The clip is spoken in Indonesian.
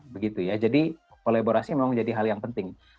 begitu ya jadi kolaborasi memang menjadi hal yang penting